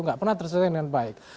nggak pernah terselesaikan dengan baik